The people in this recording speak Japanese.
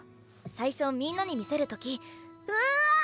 最初みんなに見せる時うあぁぁぁ！